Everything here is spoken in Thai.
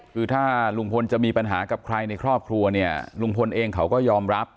คือถ้าลุงพลจะมีปัญหากับใครในครอบครัวเนี่ยลุงพลเองเขาก็ยอมรับ